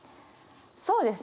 そうですね